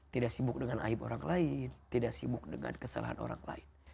tidak sibuk dengan aib orang lain tidak sibuk dengan kesalahan orang lain